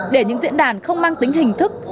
để những diễn đàn không mang tính hình thức